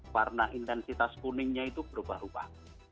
warna intensitas kuningnya itu berubah ubah